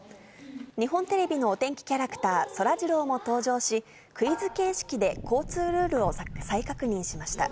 日本テレビのお天気キャラクター、そらジローも登場し、クイズ形式で交通ルールを再確認しました。